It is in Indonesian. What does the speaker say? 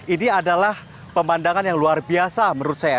ini adalah pemandangan yang luar biasa menurut saya